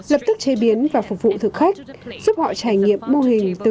lập tức chế biến và phục vụ thực khách giúp họ trải nghiệm mô hình từ trang trại